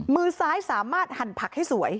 มือซ้ายสามารถหั่นผักให้สวย